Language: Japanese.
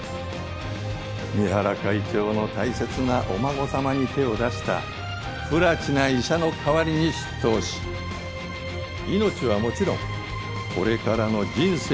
三原会長の大切なお孫様に手を出した不埒な医者の代わりに執刀し命はもちろんこれからの人生も救わせて頂きました。